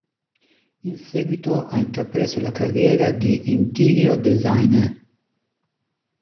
In seguito ha intrapreso la carriera di interior designer.